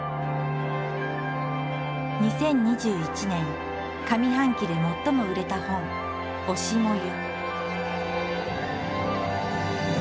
２０２１年上半期で最も売れた本「推し、燃ゆ」。